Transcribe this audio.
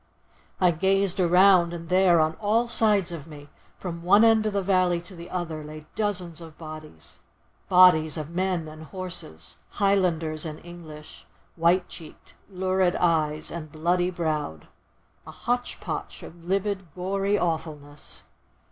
I gazed around, and there, on all sides of me, from one end of the valley to the other, lay dozens of bodies,—bodies of men and horses,—Highlanders and English, white cheeked, lurid eyes, and bloody browed,—a hotch potch of livid, gory awfulness.